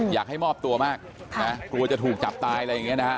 อยากให้มอบตัวมากนะกลัวจะถูกจับตายอะไรอย่างนี้นะฮะ